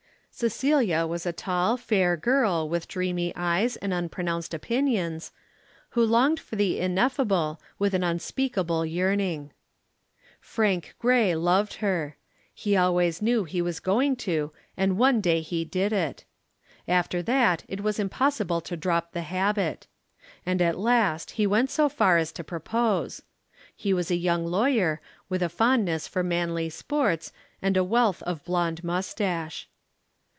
Cecilia was a tall, fair girl, with dreamy eyes and unpronounced opinions, who longed for the ineffable with an unspeakable yearning. Frank Grey loved her. He always knew he was going to and one day he did it. After that it was impossible to drop the habit. And at last he went so far as to propose. He was a young lawyer, with a fondness for manly sports and a wealth of blonde moustache.